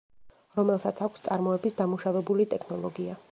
რომელსაც აქვს წარმოების დამუშავებული ტექნოლოგია.